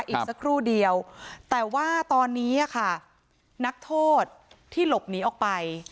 อีกสักครู่เดียวแต่ว่าตอนนี้ค่ะนักโทษที่หลบหนีออกไป